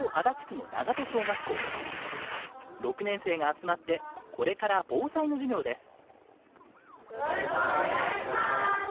６年生が集まってこれから防災の授業です。